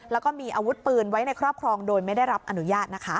แล้วก็มีอาวุธปืนไว้ในครอบครองโดยไม่ได้รับอนุญาตนะคะ